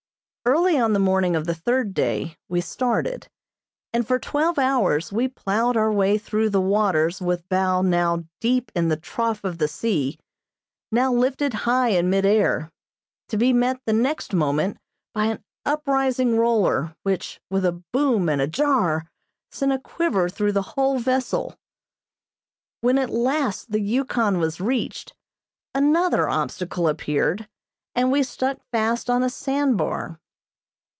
Early on the morning of the third day we started, and for twelve hours we ploughed our way through the waters with bow now deep in the trough of the sea, now lifted high in mid air, to be met the next moment by an uprising roller, which, with a boom and a jar, sent a quiver through the whole vessel. When at last the Yukon was reached, another obstacle appeared and we stuck fast on a sand bar.